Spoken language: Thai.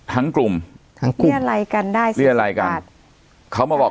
ทั้งกลุ่มทั้งกลุ่มเรียร่ายกันได้สิเรียร่ายกันเขามาบอก